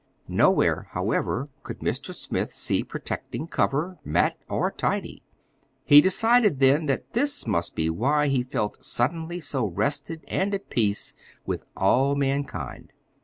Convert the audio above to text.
Nowhere, however, could Mr. Smith see protecting cover mat, or tidy. He decided then that this must be why he felt suddenly so rested and at peace with all mankind.